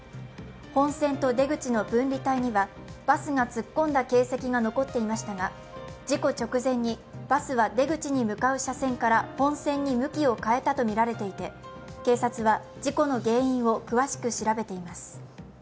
本線て出口の分離帯にはバスが突っ込んだ形跡が残っていましたが事故直前にバスは出口に向かう車線から本線に向きを変えたとみられていて警察は事故の原因を詳しく調べています。